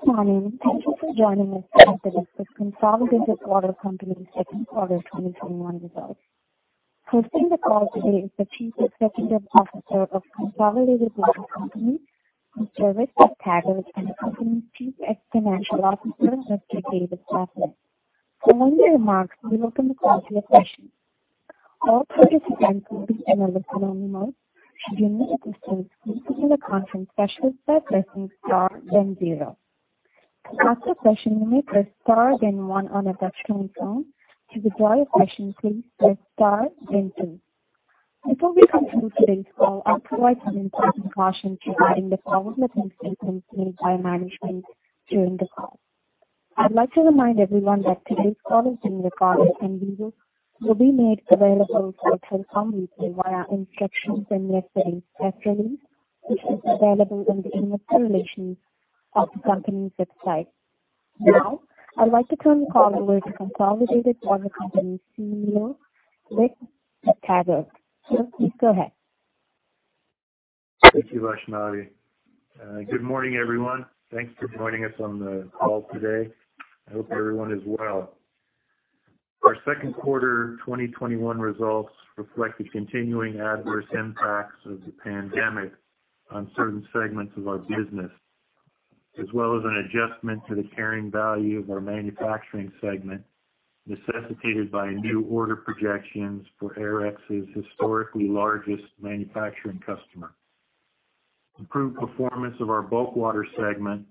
Good morning. Thank you for joining us for Consolidated Water Company's second quarter 2021 results. Hosting the call today is the Chief Executive Officer of Consolidated Water Company, Mr. Rick McTaggart, and the company's Chief Financial Officer, Mr. David Sasnett. Following their remarks, we'll open the call to your questions. Before we conclude today's call, I'll provide some important cautions regarding the forward-looking statements made by management during the call. I'd like to remind everyone that today's call is being recorded and will be made available for playback via instructions in yesterday's press release, which is available in the Investor Relations of the company's website. Now, I'd like to turn the call over to Consolidated Water Co. Ltd. CEO, Rick McTaggart. Sir, please go ahead. Thank you Vaishnavi. Good morning, everyone. Thanks for joining us on the call today. I hope everyone is well. Our second quarter 2021 results reflect the continuing adverse impacts of the pandemic on certain segments of our business, as well as an adjustment to the carrying value of our manufacturing segment, necessitated by new order projections for Aerex's historically largest manufacturing customer. Improved performance of our bulk water segment,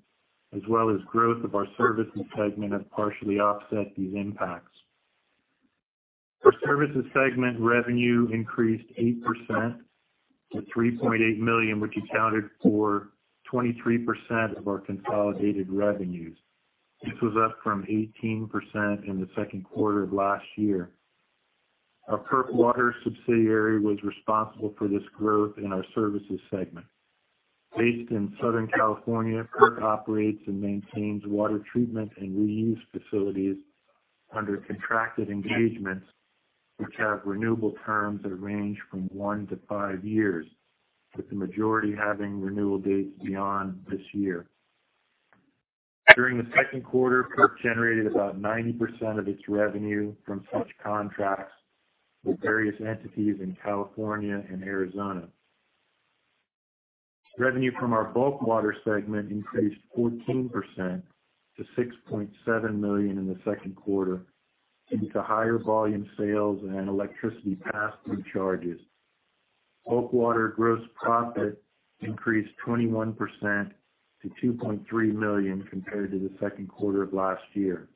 as well as growth of our services segment, have partially offset these impacts. Our services segment revenue increased 8% to $3.8 million, which accounted for 23% of our consolidated revenues. This was up from 18% in the second quarter of last year. Our PERC Water subsidiary was responsible for this growth in our services segment. Based in Southern California, PERC operates and maintains water treatment and reuse facilities under contracted engagements, which have renewable terms that range from one to five years, with the majority having renewal dates beyond this year. During the second quarter, PERC generated about 90% of its revenue from such contracts with various entities in California and Arizona. Revenue from our bulk water segment increased 14% to $6.7 million in the second quarter, due to higher volume sales and electricity pass-through charges. Bulk water gross profit increased 21% to $2.3 million compared to the second quarter of last year.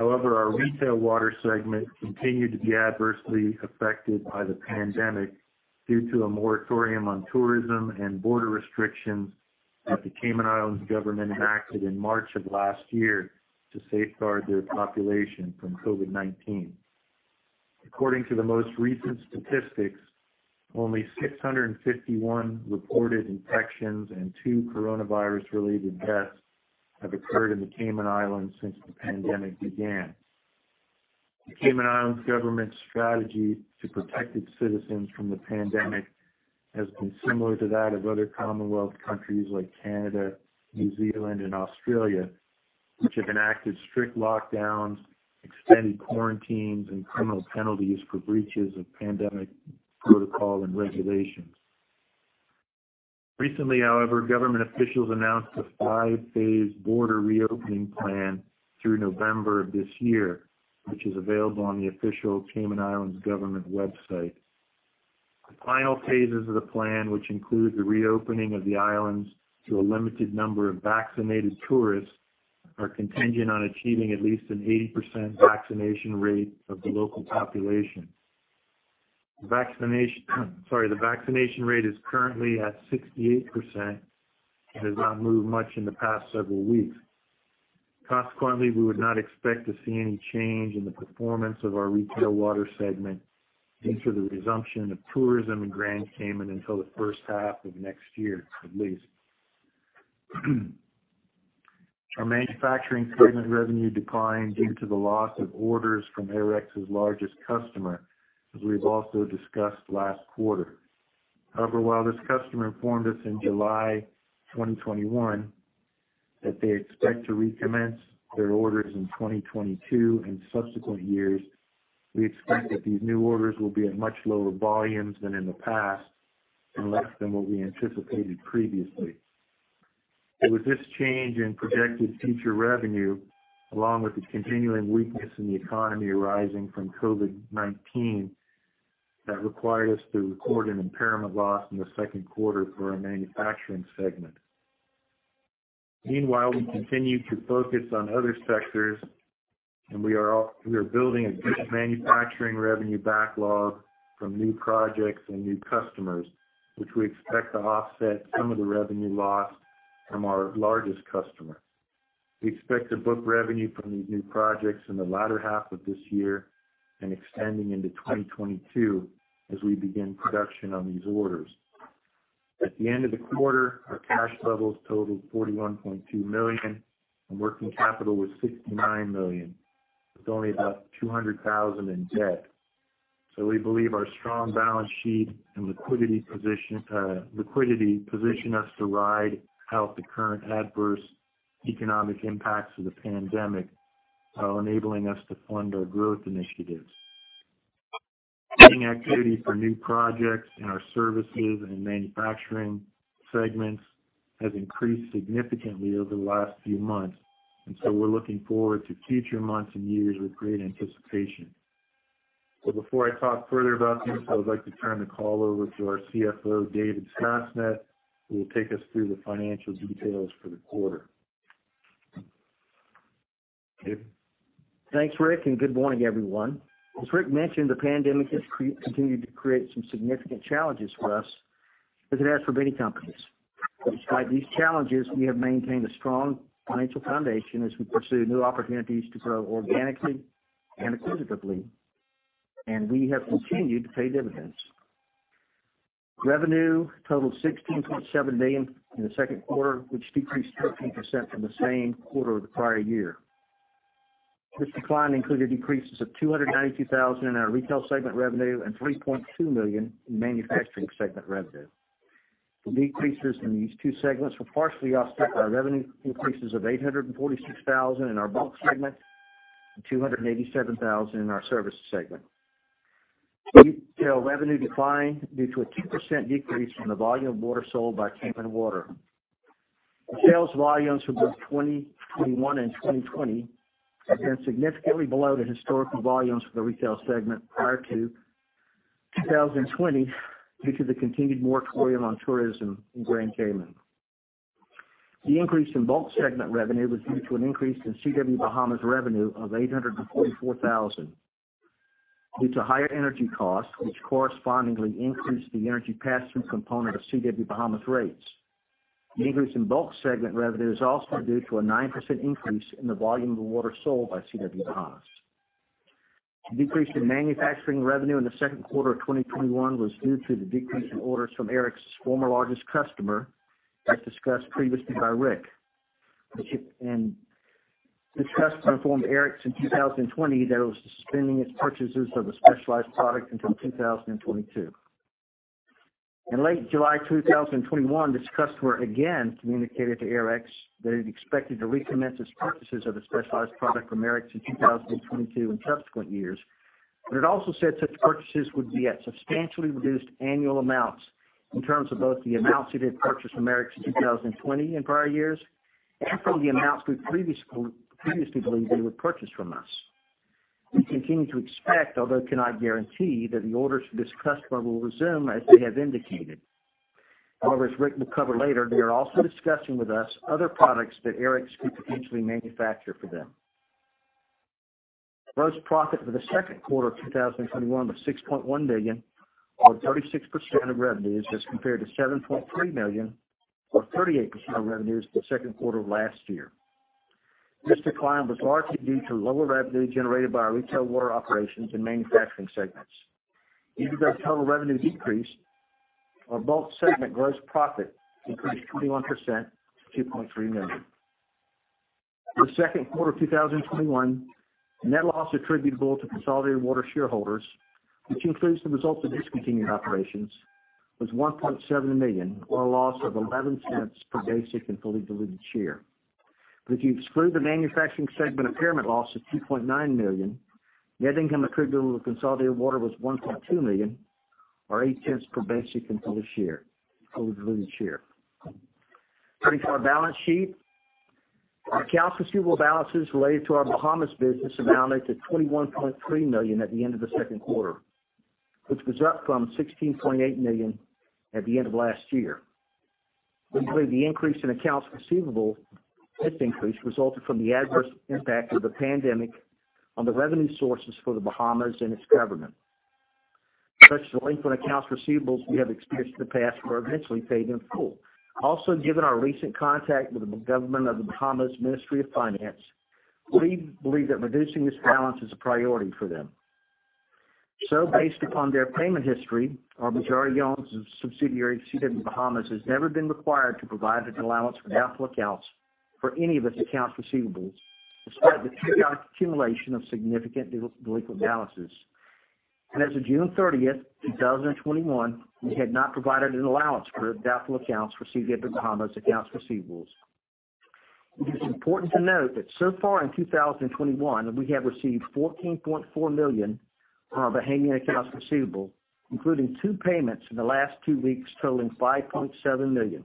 Our retail water segment continued to be adversely affected by the pandemic due to a moratorium on tourism and border restrictions that the Cayman Islands government enacted in March of last year to safeguard their population from COVID-19. According to the most recent statistics, only 651 reported infections and two coronavirus-related deaths have occurred in the Cayman Islands since the pandemic began. The Cayman Islands government's strategy to protect its citizens from the pandemic has been similar to that of other Commonwealth countries like Canada, New Zealand, and Australia, which have enacted strict lockdowns, extended quarantines, and criminal penalties for breaches of pandemic protocol and regulations. Recently, however, government officials announced a five-phase border reopening plan through November of 2021, which is available on the official Cayman Islands government website. The final phases of the plan, which include the reopening of the islands to a limited number of vaccinated tourists, are contingent on achieving at least an 80% vaccination rate of the local population. The vaccination rate is currently at 68% and has not moved much in the past several weeks. We would not expect to see any change in the performance of our retail water segment due to the resumption of tourism in Grand Cayman until the first half of next year at least. Our manufacturing segment revenue declined due to the loss of orders from Aerex's largest customer, as we've also discussed last quarter. However, while this customer informed us in July 2021 that they expect to recommence their orders in 2022 and subsequent years, we expect that these new orders will be at much lower volumes than in the past and less than what we anticipated previously. It was this change in projected future revenue, along with the continuing weakness in the economy arising from COVID-19, that required us to record an impairment loss in the second quarter for our manufacturing segment. Meanwhile, we continue to focus on other sectors, and we are building a good manufacturing revenue backlog from new projects and new customers, which we expect to offset some of the revenue loss from our largest customer. We expect to book revenue from these new projects in the latter half of this year and extending into 2022 as we begin production on these orders. At the end of the quarter, our cash levels totaled $41.2 million, and working capital was $69 million, with only about $200,000 in debt. We believe our strong balance sheet and liquidity position us to ride out the current adverse economic impacts of the pandemic, while enabling us to fund our growth initiatives. Bidding activity for new projects in our services and manufacturing segments has increased significantly over the last few months. We're looking forward to future months and years with great anticipation. Before I talk further about this, I would like to turn the call over to our CFO, David Sasnett, who will take us through the financial details for the quarter. David. Thanks, Rick. Good morning, everyone. As Rick mentioned, the pandemic has continued to create some significant challenges for us, as it has for many companies. Despite these challenges, we have maintained a strong financial foundation as we pursue new opportunities to grow organically and acquisitively, and we have continued to pay dividends. Revenue totaled $16.7 million in the second quarter, which decreased 13% from the same quarter of the prior year. This decline included decreases of $292,000 in our retail segment revenue and $3.2 million in manufacturing segment revenue. The decreases in these two segments were partially offset by revenue increases of $846,000 in our bulk segment and $287,000 in our service segment. Retail revenue declined due to a 2% decrease from the volume of water sold by Cayman Water. The sales volumes for both 2021 and 2020 have been significantly below the historical volumes for the retail segment prior to 2020 due to the continued moratorium on tourism in Grand Cayman. The increase in bulk segment revenue was due to an increase in CW Bahamas revenue of $844,000 due to higher energy costs, which correspondingly increased the energy pass-through component of CW Bahamas rates. The increase in bulk segment revenue is also due to a 9% increase in the volume of water sold by CW Bahamas. The decrease in manufacturing revenue in the second quarter of 2021 was due to the decrease in orders from Aerex's former largest customer, as discussed previously by Rick. This customer informed Aerex in 2020 that it was suspending its purchases of a specialized product until 2022. In late July 2021, this customer again communicated to Aerex that it expected to recommence its purchases of a specialized product from Aerex in 2022 and subsequent years. It also said such purchases would be at substantially reduced annual amounts in terms of both the amounts it had purchased from Aerex in 2020 and prior years and from the amounts we previously believed they would purchase from us. We continue to expect, although cannot guarantee, that the orders for this customer will resume as they have indicated. As Rick will cover later, they are also discussing with us other products that Aerex could potentially manufacture for them. Gross profit for the second quarter of 2021 was $6.1 million, or 36% of revenues, as compared to $7.3 million, or 38% of revenues the second quarter of last year. This decline was largely due to lower revenue generated by our retail water operations and manufacturing segments. Even though total revenue decreased, our bulk segment gross profit increased 21% to $2.3 million. For the second quarter of 2021, net loss attributable to Consolidated Water shareholders, which includes the results of discontinued operations, was $1.7 million, or a loss of $0.11 per basic and fully diluted share. If you exclude the manufacturing segment impairment loss of $2.9 million, net income attributable to Consolidated Water was $1.2 million, or $0.08 per basic and fully diluted share. Turning to our balance sheet, our accounts receivable balances related to our Bahamas business amounted to $21.3 million at the end of the second quarter, which was up from $16.8 million at the end of last year. We believe the increase in accounts receivable, this increase, resulted from the adverse impact of the pandemic on the revenue sources for the Bahamas and its government. Such delinquent accounts receivables we have experienced in the past were eventually paid in full. Given our recent contact with the Ministry of Finance of the Bahamas, we believe that reducing this balance is a priority for them. Based upon their payment history, our majority-owned subsidiary, CW Bahamas, has never been required to provide an allowance for doubtful accounts for any of its accounts receivables, despite the past accumulation of significant delinquent balances. As of June 30th, 2021, we had not provided an allowance for doubtful accounts for CW Bahamas accounts receivables. It is important to note that so far in 2021, we have received $14.4 million on our Bahamian accounts receivable, including two payments in the last two weeks totaling $5.7 million.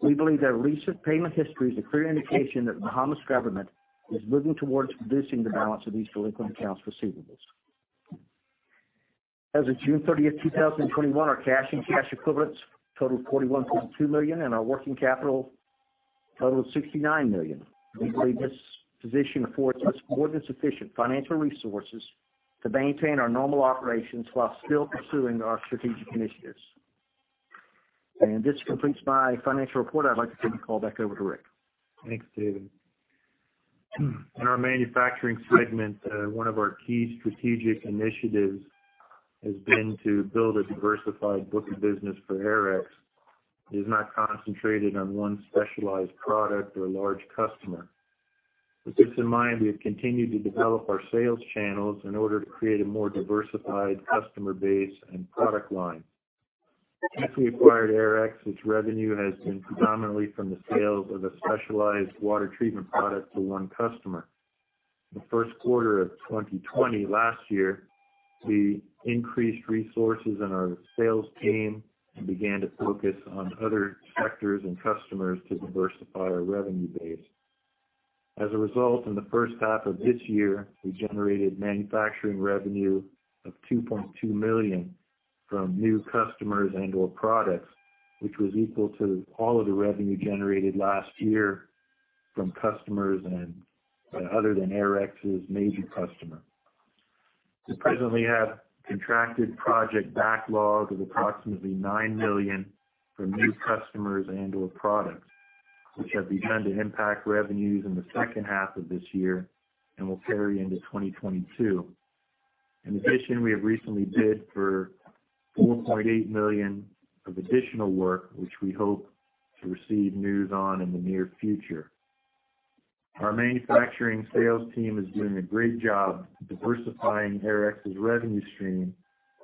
We believe that recent payment history is a clear indication that the Bahamas government is moving towards reducing the balance of these delinquent accounts receivables. As of June 30th, 2021, our cash and cash equivalents totaled $41.2 million, and our working capital totaled $69 million. We believe this position affords us more than sufficient financial resources to maintain our normal operations while still pursuing our strategic initiatives. This completes my financial report. I'd like to turn the call back over to Rick. Thanks, David. In our manufacturing segment, one of our key strategic initiatives has been to build a diversified book of business for Aerex that is not concentrated on one specialized product or a large customer. With this in mind, we have continued to develop our sales channels in order to create a more diversified customer base and product line. Since we acquired Aerex, its revenue has been predominantly from the sales of a specialized water treatment product to one customer. In the first quarter of 2020 last year, we increased resources in our sales team and began to focus on other sectors and customers to diversify our revenue base. As a result, in the first half of this year, we generated manufacturing revenue of $2.2 million from new customers and/or products, which was equal to all of the revenue generated last year from customers other than Aerex's major customer. We presently have contracted project backlog of approximately $9 million from new customers and/or products, which are begun to impact revenues in the second half of this year, and will carry into 2022. We have recently bid for $4.8 million of additional work, which we hope to receive news on in the near future. Our manufacturing sales team is doing a great job diversifying Aerex's revenue stream,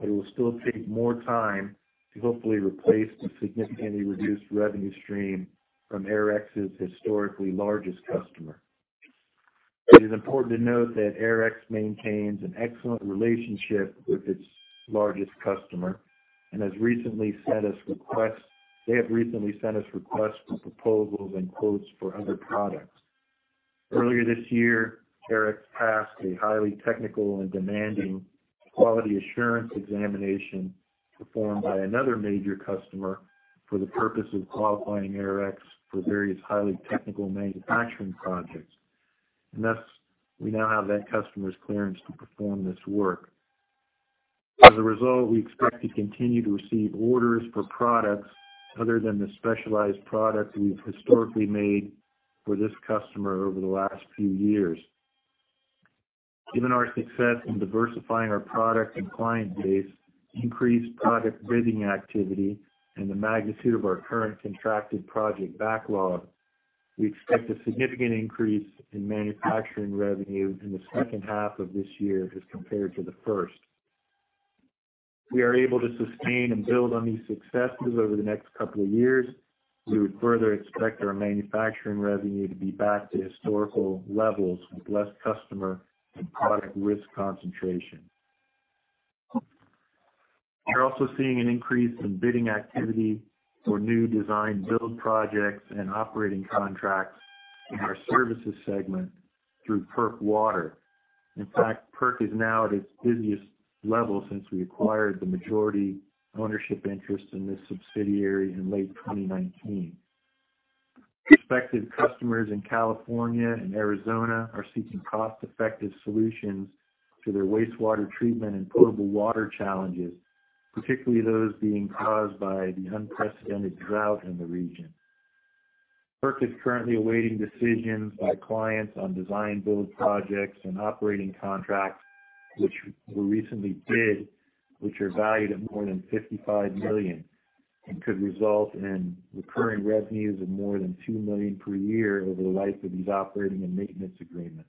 it will still take more time to hopefully replace the significantly reduced revenue stream from Aerex's historically largest customer. It is important to note that Aerex maintains an excellent relationship with its largest customer they have recently sent us requests for proposals and quotes for other products. Earlier this year, Aerex passed a highly technical and demanding quality assurance examination performed by another major customer for the purpose of qualifying Aerex for various highly technical manufacturing projects. Thus, we now have that customer's clearance to perform this work. As a result, we expect to continue to receive orders for products other than the specialized product we've historically made for this customer over the last few years. Given our success in diversifying our product and client base, increased product bidding activity, and the magnitude of our current contracted project backlog, we expect a significant increase in manufacturing revenue in the second half of this year as compared to the first. If we are able to sustain and build on these successes over the next couple of years, we would further expect our manufacturing revenue to be back to historical levels with less customer and product risk concentration. We're also seeing an increase in bidding activity for new design-build projects and operating contracts in our services segment through PERC Water. In fact, PERC is now at its busiest level since we acquired the majority ownership interest in this subsidiary in late 2019. Respected customers in California and Arizona are seeking cost-effective solutions to their wastewater treatment and potable water challenges, particularly those being caused by the unprecedented drought in the region. PERC is currently awaiting decisions by clients on design-build projects and operating contracts, which we recently bid, which are valued at more than $55 million and could result in recurring revenues of more than $2 million per year over the life of these operating and maintenance agreements.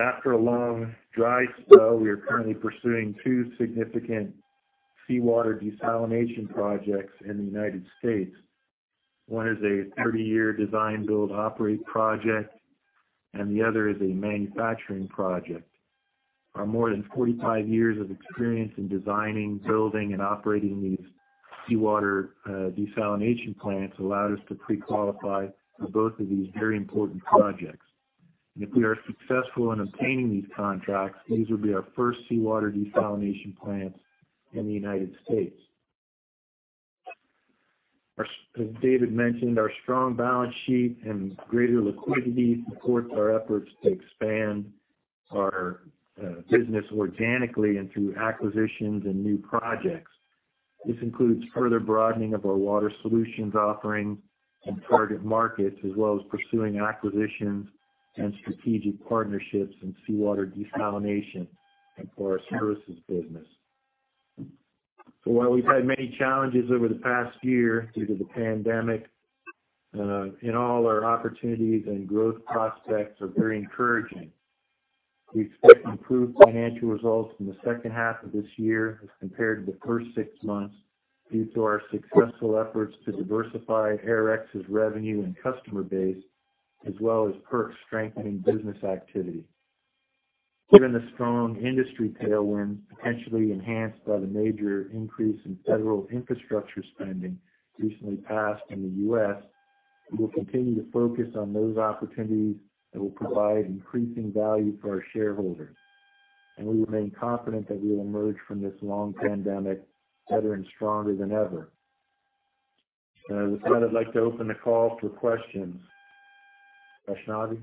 After a long dry spell, we are currently pursuing two significant seawater desalination projects in the United States. One is a 30-year design-build operate project, and the other is a manufacturing project. Our more than 45 years of experience in designing, building and operating these seawater desalination plants allowed us to pre-qualify for both of these very important projects. If we are successful in obtaining these contracts, these will be our first seawater desalination plants in the United States. As David mentioned, our strong balance sheet and greater liquidity supports our efforts to expand our business organically and through acquisitions and new projects. This includes further broadening of our water solutions offering and target markets, as well as pursuing acquisitions and strategic partnerships in seawater desalination and for our services business. While we've had many challenges over the past year due to the pandemic, in all, our opportunities and growth prospects are very encouraging. We expect improved financial results from the second half of this year as compared to the first six months, due to our successful efforts to diversify Aerex's revenue and customer base, as well as PERC strengthening business activity. Given the strong industry tailwind, potentially enhanced by the major increase in federal infrastructure spending recently passed in the U.S., we will continue to focus on those opportunities that will provide increasing value for our shareholders. We remain confident that we will emerge from this long pandemic better and stronger than ever. With that, I'd like to open the call for questions. Vaishnavi?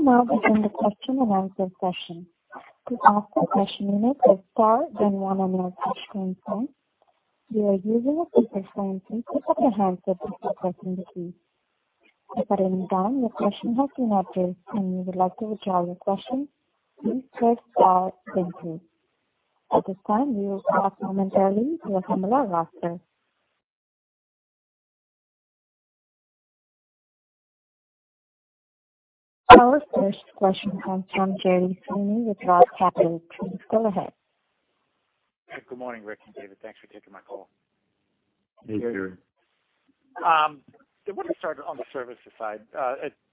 We will now begin the question and answer session. To ask a question, you may press star then one on your touch-tone phone. If you are using a speakerphone, please pick up the handset before pressing the keys. If at any time your question has been addressed and you would like to withdraw your question, please press star then two. At this time, we will pause momentarily for a few more questions. Our first question comes from Gerry Sweeney with ROTH Capital. Go ahead. Good morning, Rick and David. Thanks for taking my call. Hey, Gerry. I want to start on the services side.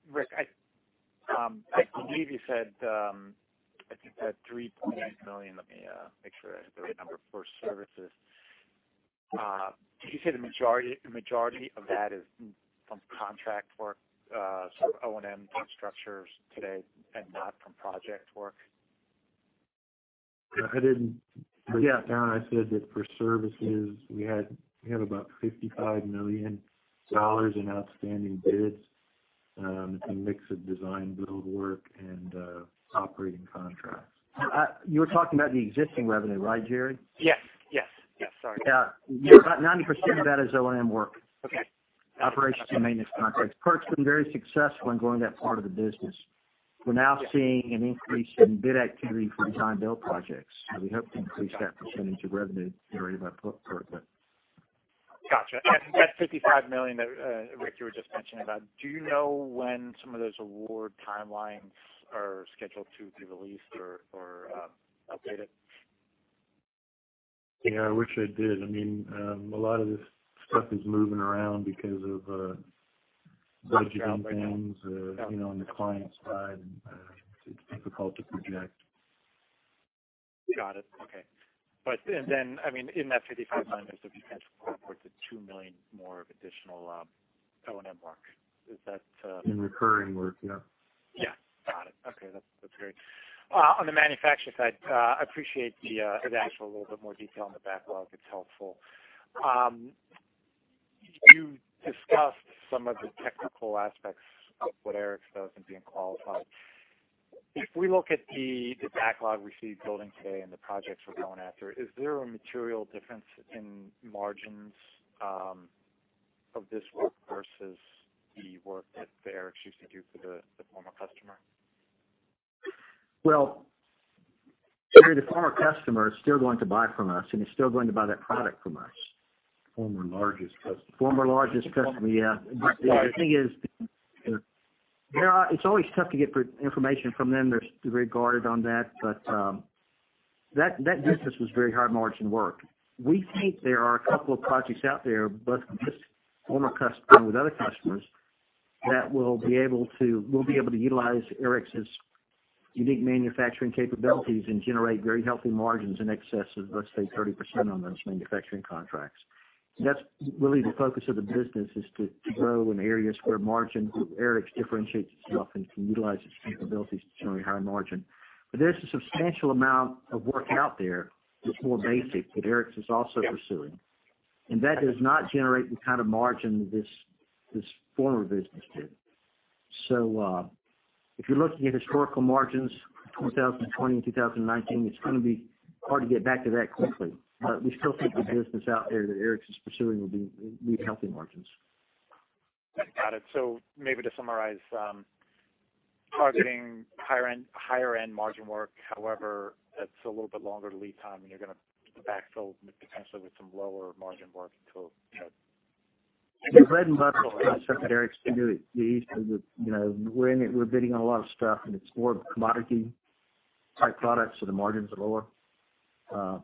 Rick, I believe you said, I think that $3.8 million, let me make sure I have the right number for services. Did you say the majority of that is from contract work, so O&M structures today and not from project work? I didn't break it down. I said that for services, we have about $55 million in outstanding bids. It's a mix of design-build work and operating contracts. You're talking about the existing revenue, right, Gerry? Yes. Sorry. Yeah. About 90% of that is O&M work. Okay. Operations and maintenance contracts. PERC's been very successful in growing that part of the business. We're now seeing an increase in bid activity for design-build projects. We hope to increase that percentage of revenue, Gerry, by quite a bit. Got you. That $55 million that, Rick, you were just mentioning about, do you know when some of those award timelines are scheduled to be released or updated? I wish I did. A lot of this stuff is moving around because of budget down payments on the client side, and it's difficult to project. Got it. Okay. In that $55 million, there's a potential for upwards of $2 million more of additional O&M work. Is that? In recurring work, yeah. Yeah. Got it. Okay. That's great. On the manufacturing side, I appreciate the additional little bit more detail on the backlog. It's helpful. You discussed some of the technical aspects of what Aerex does and being qualified. If we look at the backlog we see building today and the projects we're going after, is a material difference in margins of this work versus the work that Aerex used to do for the former customer? Well, Gerry, the former customer is still going to buy from us, and is still going to buy that product from us. Former largest customer. Former largest customer, yeah. The thing is, it's always tough to get information from them. They're very guarded on that business was very hard margin work. We think there are a couple of projects out there, both from this former customer and with other customers, that we'll be able to utilize Aerex's unique manufacturing capabilities and generate very healthy margins in excess of, let's say, 30% on those manufacturing contracts. That's really the focus of the business, is to grow in areas where Aerex differentiates itself and can utilize its capabilities to generate higher margin. There's a substantial amount of work out there that's more basic, that Aerex is also pursuing. That does not generate the kind of margin that this former business did. If you're looking at historical margins for 2020 and 2019, it's going to be hard to get back to that quickly. We still think the business out there that Aerex is pursuing will be healthy margins. Got it. Maybe to summarize, targeting higher-end margin work, however, that's a little bit longer lead time, and you're going to backfill potentially with some lower margin work. The bread and butter of what PERC can do is we're in it, we're bidding on a lot of stuff, and it's more commodity type products, so the margins are lower.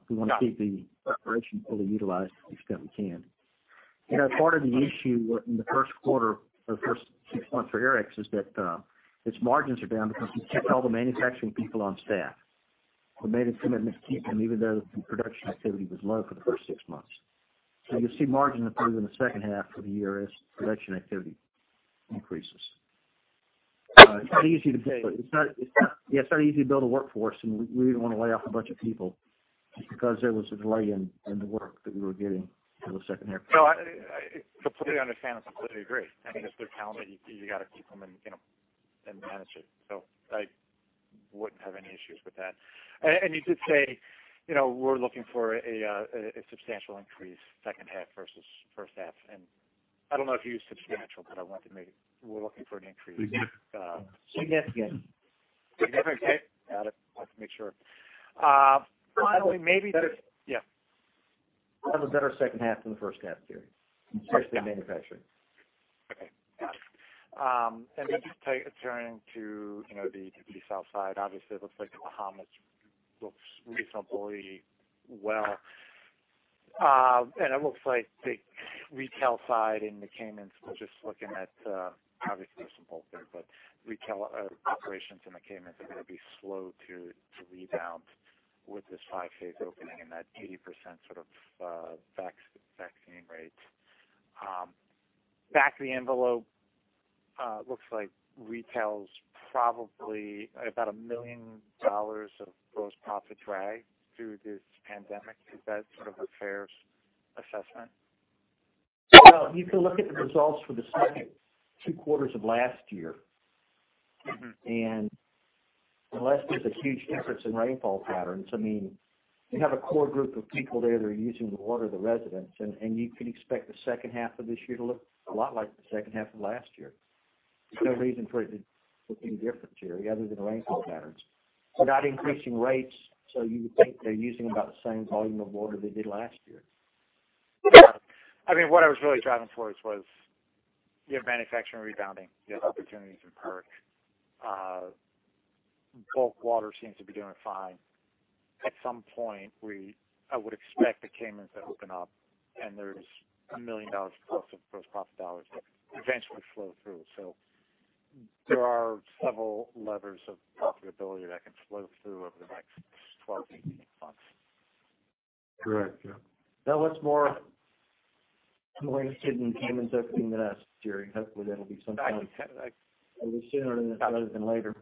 We want to keep the operation fully utilized to the extent we can. Part of the issue in the first quarter or first six months for Aerex is that its margins are down because we kept all the manufacturing people on staff. We made a commitment to keep them, even though the production activity was low for the first six months. You'll see margin improve in the second half of the year as production activity increases. It's not easy to build a workforce, and we didn't want to lay off a bunch of people just because there was a delay in the work that we were getting in the second half. No, I completely understand and completely agree. I mean, it's their talent, you got to keep them and manage it. I wouldn't have any issues with that. You did say we're looking for a substantial increase second half versus first half. I don't know if you used substantial, I wanted to make We're looking for an increase. Significant. Significant? Got it. Wanted to make sure. Better. Yeah. We'll have a better second half than the first half, Gerry, especially in manufacturing. Okay. Got it. Just turning to the retail side. Obviously, it looks like the Bahamas looks reasonably well. It looks like the retail side in the Caymans, we're just looking at, obviously there's some bulk there, but retail operations in the Caymans are going to be slow to rebound with this five-phase opening and that 80% sort of vaccine rates. Back the envelope, looks like retail's probably about $1 million of gross profit drag due to this pandemic. Is that sort of a fair assessment? Well, you can look at the results for the second two quarters of last year. Unless there's a huge difference in rainfall patterns, you have a core group of people there that are using the water, the residents, and you can expect the second half of this year to look a lot like the second half of last year. There's no reason for it to look any different, Gerry, other than rainfall patterns. They're not increasing rates, you would think they're using about the same volume of water they did last year. I mean, what I was really driving towards was you have manufacturing rebounding, you have opportunities in PERC. Bulk water seems to be doing fine. At some point, I would expect the Caymans to open up and there's $1 million+ of gross profit dollars that eventually flow through. There are several levers of profitability that can flow through over the next 12 to 18 months. Correct. Yeah. Now what's more, I'm more interested in Cayman opening than us, Gerry. Hopefully that'll be sometime. I can tell a little sooner than later.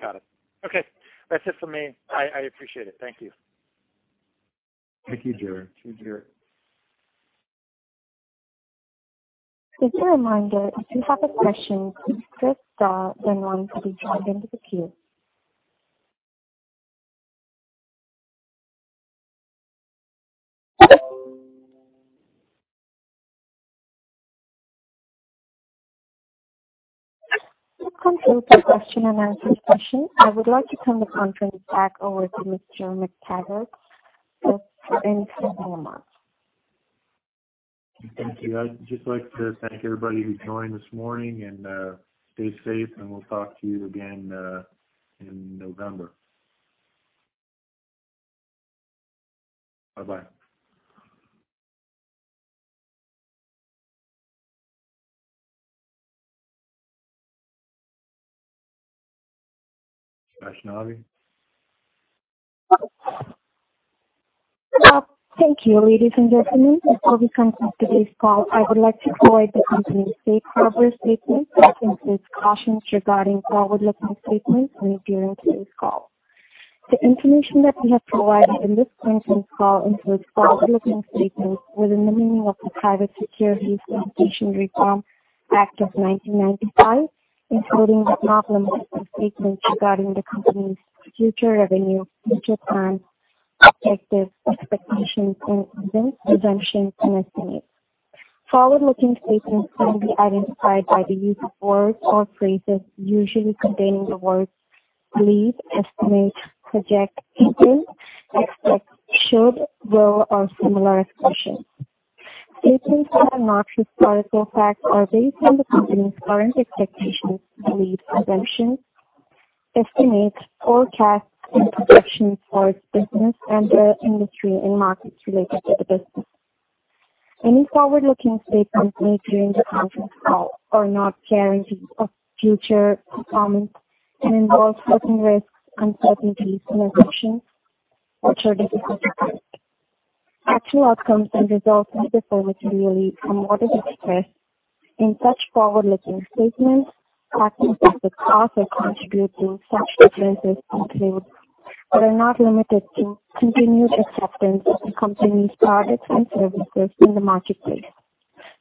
Got it. Okay. That's it for me. I appreciate it. Thank you. Thank you, Gerry. Thank you, Gerry. As a reminder, if you have a question, please press star then one to be joined into the queue. That concludes the question and answer session. I would like to turn the conference back over to Mr. Rick McTaggart for any closing remarks. Thank you. I'd just like to thank everybody who joined this morning and stay safe, and we'll talk to you again in November. Bye-bye. Vaishnavi? Thank you, ladies and gentlemen. As we conclude today's call, I would like to provide the company's safe harbor statement that includes cautions regarding forward-looking statements made during today's call. The information that we have provided in this conference call includes forward-looking statements within the meaning of the Private Securities Litigation Reform Act of 1995, including but not limited to statements regarding the company's future revenue, future plans, objectives, expectations, and events, assumptions, and estimates. Forward-looking statements can be identified by the use of words or phrases usually containing the words believe, estimate, project, intend, expect, should, will, or similar expressions. Statements that are not historical facts are based on the company's current expectations, beliefs, assumptions, estimates, forecasts, and projections for its business and the industry and markets related to the business. Any forward-looking statements made during the conference call are not guarantees of future performance and involve certain risks, uncertainties, and assumptions that are difficult to predict. Actual outcomes and results could differ materially from what is expressed in such forward-looking statements. Factors that could cause or contribute to such differences include, but are not limited to, continued acceptance of the company's products and services in the marketplace,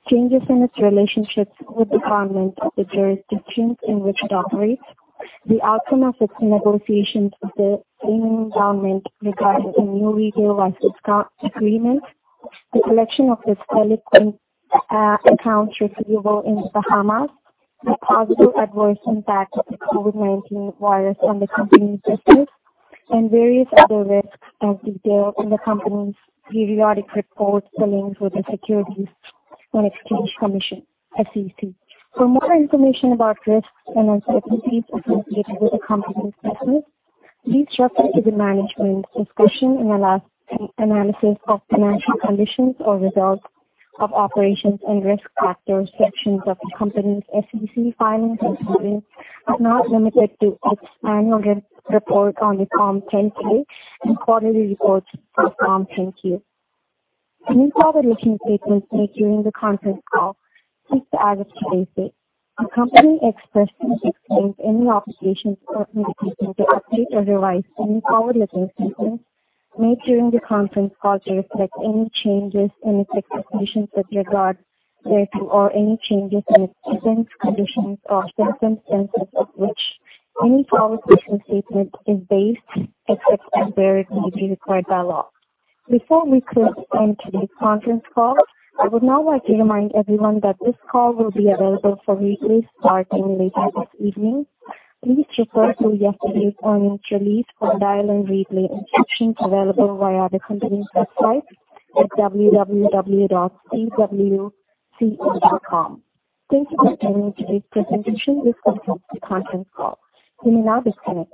changes in its relationships with the governments of the jurisdictions in which it operates, the outcome of its negotiations with the Cayman government regarding a new retail license agreement, the collection of its delinquent accounts receivable in Bahamas, the possible adverse impact of the COVID-19 virus on the company's business, and various other risks as detailed in the company's periodic reports filings with the Securities and Exchange Commission, SEC. For more information about risks and uncertainties associated with the company's business, please refer to the management discussion and analysis of financial conditions or results of operations and risk factors sections of the company's SEC filings, including, but not limited to, its annual report on the Form 10-K and quarterly report on Form 10-Q. Any forward-looking statements made during the conference call speak to as of today's date. The company expressly disclaims any obligation or intention to update or revise any forward-looking statements made during the conference call to reflect any changes in its expectations with regard thereto or any changes in its assumptions, conditions, or other circumstances on which any forward-looking statement is based, except as thereof may be required by law. Before we close today's conference call, I would now like to remind everyone that this call will be available for replay starting later this evening. Please refer to yesterday's earnings release for dial-in replay instructions available via the company's website at www.cwco.com. Thanks for attending today's presentation. This concludes the conference call. You may now disconnect.